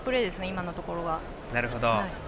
今のところは。